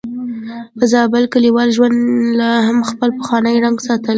په زابل کې کليوالي ژوند لا هم خپل پخوانی رنګ ساتلی.